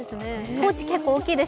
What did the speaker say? ポーチ結構大きいです。